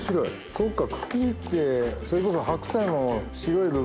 そっか。